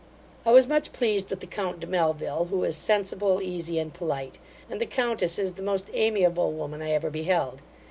I was much pleased with the count de Melville, who is sensible, easy, and polite; and the countess is the most amiable woman I ever beheld.